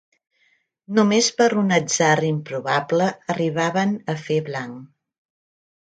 Només per un atzar improbable arribaven a fer blanc